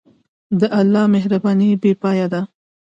د الله مهرباني بېپایه ده.